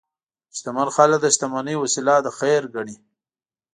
شتمن خلک د شتمنۍ وسیله د خیر ګڼي.